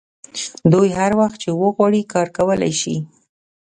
دوی هر وخت چې وغواړي کار کولی شي